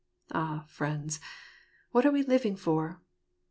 Ah, friends, what are we living for?